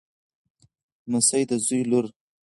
لمسۍ د زوی لور.